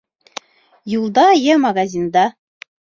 Юлда йә магазинда.